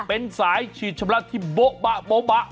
เป็นสายฉีดชำระที่โบ๊ะบะ